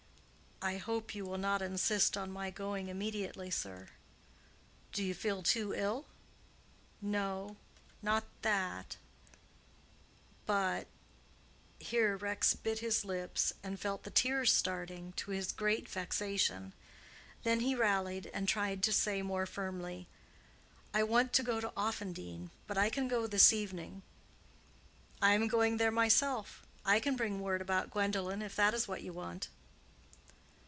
"I hope you will not insist on my going immediately, sir." "Do you feel too ill?" "No, not that—but—" here Rex bit his lips and felt the tears starting, to his great vexation; then he rallied and tried to say more firmly, "I want to go to Offendene, but I can go this evening." "I am going there myself. I can bring word about Gwendolen, if that is what you want."